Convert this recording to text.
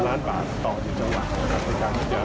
๑๐๐๐ล้านบาทต่อจุดจังหวัด